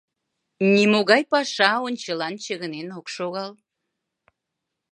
Нимогай паша ончылан чыгынен ок шогал.